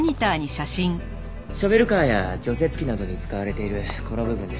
ショベルカーや除雪機などに使われているこの部分です。